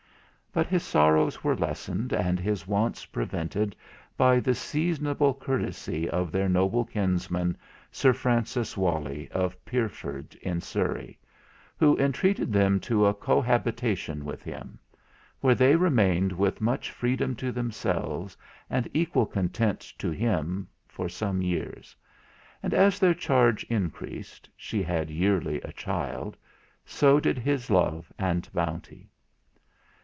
But his sorrows were lessened and his wants prevented by the seasonable courtesy of their noble kinsman, Sir Francis Wolly, of Pirford in Surrey, who intreated them to a cohabitation with him; where they remained with much freedom to themselves, and equal content to Him, for some years; and as their charge increased she had yearly a child so did his love and bounty.